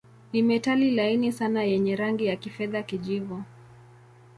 Ni metali laini sana yenye rangi ya kifedha-kijivu.